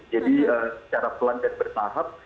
jadi secara pelan dan bertahan